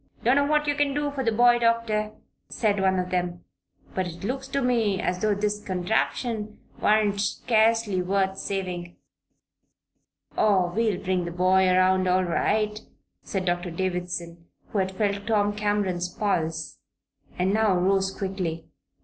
"Dunno what you can do for the boy, Doctor," said one of them; "but it looks to me as though this contraption warn't scurcely wuth savin'." "Oh, we'll bring the boy around all right," said Doctor Davison, who had felt Tom Cameron's pulse and now rose quickly.